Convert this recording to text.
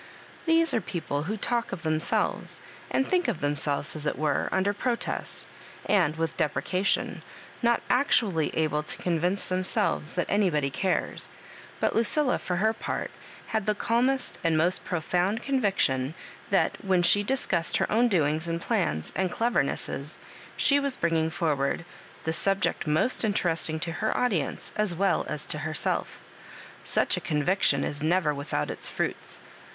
There are people who talk of themselves, and thmk of themselves as it were, under protest, and with deprecation, not actually able to convince themselves that anybody cares ; but Lucilla, for her part, had th^ calmest and most profound conviction that, when she discuss ed her own doings and plans and devamesses, she was bringing forward the subject most inter esting to her audience as well as to herself. Such a conviction is never without its fruits.